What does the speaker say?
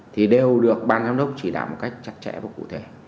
thì đều được ban giám đốc chỉ đạo một cách chặt chẽ và cụ thể